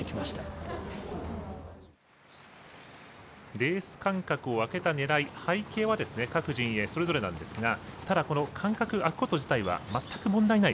レース間隔を空けたねらい背景は各陣営それぞれなんですがただ、この間隔が空くこと自体はまったく問題ない。